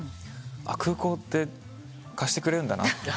空港って貸してくれるんだなと。